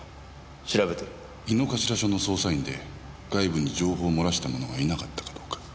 井の頭署の捜査員で外部に情報を漏らした者がいなかったかどうか。